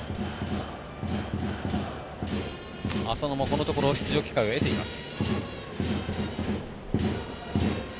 浅野もこのところ出場機会得ています。